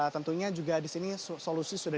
tentunya juga disini solusi sudah